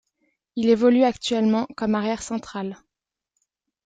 Il évolue actuellement comme arrière central.